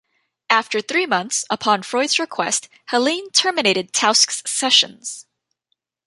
After three months, upon Freud's request, Helene terminated Tausk's sessions.